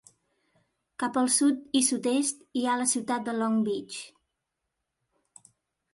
Cap al sud i sud-est hi ha la ciutat de Long Beach.